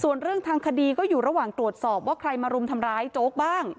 ส่วนเรื่องทางคดีก็อยู่ระหว่างตรวจสอบว่าใครมารุมทำร้ายโจ๊กบ้าง